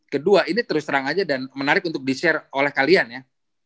kedua ini terus terang aja dan menarik untuk di share oleh kalian ya